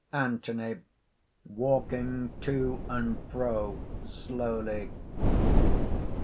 V. ANTHONY (walking to and fro, slowly).